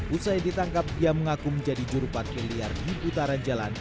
usai ditangkap ia mengaku menjadi juru parkir liar di putaran jalan